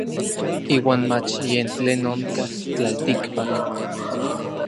Iuan mach yen tlen onkaj tlaltikpak.